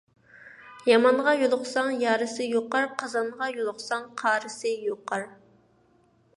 يامانغا يۇلۇقساڭ يارىسى يۇقار، قازانغا يۇلۇقساڭ قارىسى يۇقار.